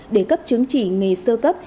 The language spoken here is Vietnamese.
để cấp chứng chỉ nghề sơ cấp